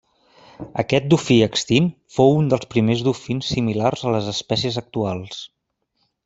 Aquest dofí extint fou un dels primers dofins similars a les espècies actuals.